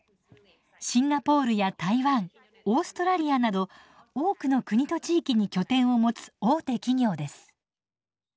シンガポールや台湾オーストラリアなど多くの国と地域に拠点を持つ大手企業です。